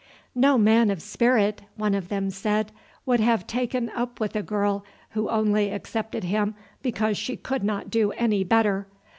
"No man of spirit," one of them said, "would have taken up with a girl who only accepted him because she could not do any better.